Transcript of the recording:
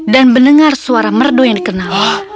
dan mendengar suara merdu yang dikenal